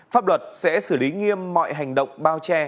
pháp luật sẽ xử lý nghiêm mọi hành động bao che